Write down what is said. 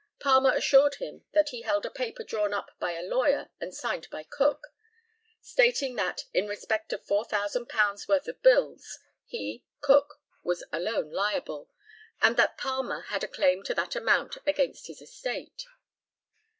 Palmer assured him that he held a paper drawn up by a lawyer, and signed by Cook, stating that, in respect of £4,000 worth of bills, he (Cook) was alone liable, and that Palmer had a claim to that amount against his estate.